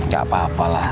gak apa apa lah